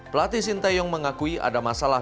pelatih sinteyong mengakui ada masalah